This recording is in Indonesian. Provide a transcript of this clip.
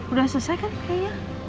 udah selesai kan kayaknya